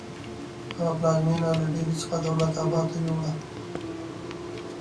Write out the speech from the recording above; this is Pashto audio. هغه پلازمینه له ډیلي څخه دولت اباد ته یوړه.